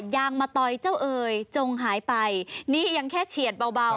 ยางมะตอยเจ้าเอ๋ยจงหายไปนี่ยังแค่เฉียดเบา